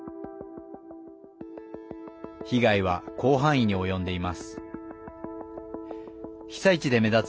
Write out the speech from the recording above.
被害は広範囲に及んでいます。